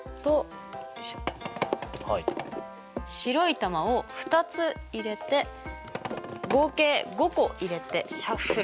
白い球を２つ入れて合計５個入れてシャッフルします。